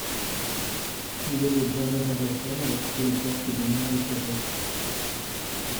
Il est le dernier anglophone à occuper le poste de maire de Québec.